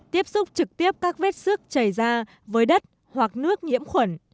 tiếp xúc trực tiếp các vết xước chảy ra với đất hoặc nước nhiễm khuẩn